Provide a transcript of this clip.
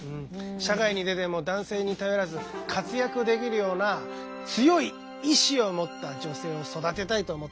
社会に出ても男性に頼らず活躍できるような強い意志を持った女性を育てたいと思っているの。